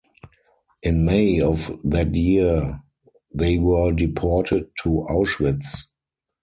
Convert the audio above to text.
In May of that year they were deported to Auschwitz.